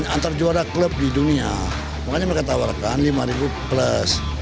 antar juara klub di dunia makanya mereka tawarkan lima plus